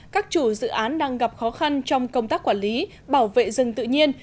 các chủ dự án đang gặp khó khăn trong công tác quản lý bảo vệ rừng tự nhiên